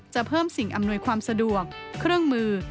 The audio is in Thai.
เพิ่มสิ่งอำนวยความสะดวกเครื่องมือ